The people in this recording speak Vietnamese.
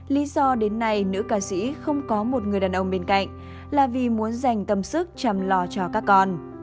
lý do đến nay nữ ca sĩ không có một người đàn ông bên cạnh là vì muốn dành tâm sức chăm lo cho các con